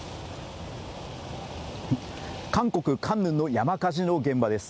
韓国カンヌンの山火事の現場です。